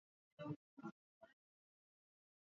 Yeye hajali